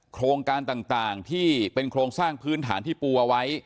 โครงการต่างที่เป็นโครงสร้างพื้นฐานที่ปูเอาไว้